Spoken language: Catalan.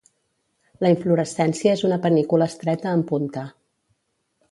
La inflorescència és una panícula estreta en punta.